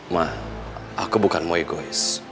ma aku bukan mau egois